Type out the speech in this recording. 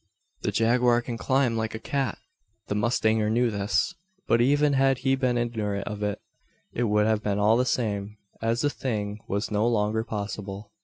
The jaguar can climb like a cat. The mustanger knew this. But even had he been ignorant of it, it would have been all the same, as the thing was no longer possible.